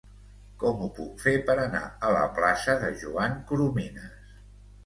Com ho puc fer per anar a la plaça de Joan Coromines?